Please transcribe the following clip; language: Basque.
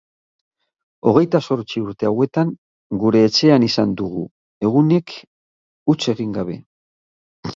Hogeita zortzi urte hauetan gure etxean izan dugu, egunik huts egin gabe.